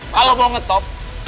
kalau mau ngetop